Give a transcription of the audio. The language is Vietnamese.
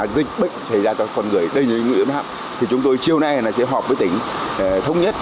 để ra cho con người đây là người dân sớm thì chúng tôi chiều nay sẽ họp với tỉnh thống nhất